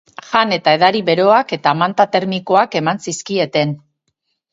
Jan eta edari beroak eta manta termikoak eman zizkieten.